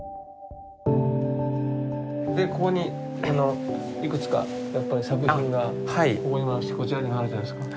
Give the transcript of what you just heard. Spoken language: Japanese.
でここにあのいくつかやっぱり作品がここにもあるしこちらにもあるじゃないですか。